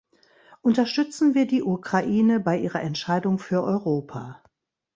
Unterstützen wir die Ukraine bei ihrer Entscheidung für Europa!